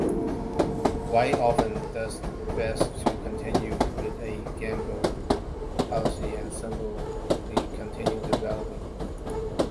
White often does best to continue with a gambit policy and simply continue developing.